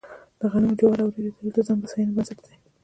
د غنمو، جوارو او وريجو تولید د ځان بسیاینې بنسټ دی.